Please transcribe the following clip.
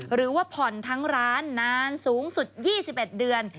หรือว่าผ่อนทั้งร้านนานสูงสุด๒๑เดือน